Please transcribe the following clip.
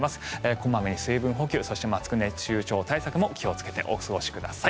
小まめに水分補給マスク熱中症対策も気をつけてお過ごしください。